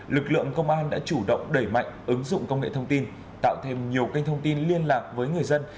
lực lượng công an đã chủ động đẩy mạnh ứng dụng công nghệ thông tin tạo thêm nhiều kênh thông tin liên lạc với người dân